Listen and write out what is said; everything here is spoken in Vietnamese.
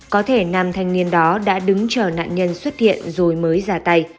có thể nam thanh niên đó đã đứng chờ nạn nhân xuất hiện rồi mới ra tay